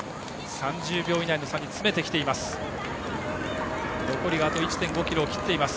３０秒以内の差に詰めてきています。